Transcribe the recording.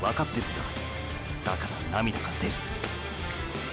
だから涙が出る。